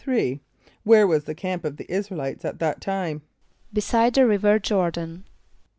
= Where was the camp of the [)I][s+]´ra el [=i]tes at that time? =Beside the river Jôr´dan.